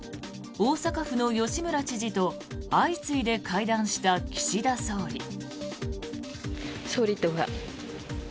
大阪府の吉村知事と相次いで会談した岸田総理。